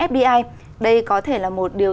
fbi đây có thể là một điều